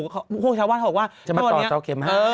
โค้งชาวบ้านเขาบอกว่าเกิดจะต้นเยาะเช้าเข็มห้า